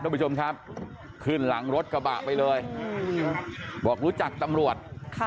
ทุกผู้ชมครับขึ้นหลังรถกระบะไปเลยบอกรู้จักตำรวจ